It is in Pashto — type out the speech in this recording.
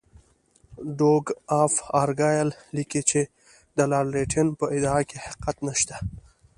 ډوک آف ارګایل لیکي چې د لارډ لیټن په ادعا کې حقیقت نشته.